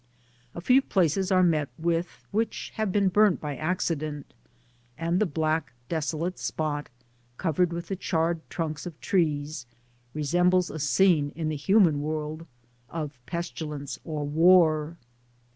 A few places are met with which have been burnt by accident, and the black desolate spot, covered with the charred trunks of trees, resembles a scene in the human world of pestilence or war.